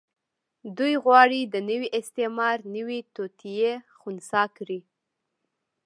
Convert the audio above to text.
دوی غواړي د نوي استعمار نوې توطيې خنثی کړي.